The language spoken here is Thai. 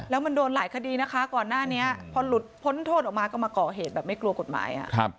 แล้วมันโดนหลายคดีนะคะก่อนหน้านี้พอหลุดพ้นโทษออกมาก็มาก่อเหตุแบบไม่กลัวกฎหมาย